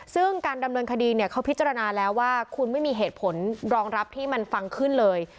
ซึ่งการดำเนินคดีเนี่ยเขาพิจารณาแล้วว่าคุณไม่มีเหตุผลรองรับที่มันฟังขึ้นเลย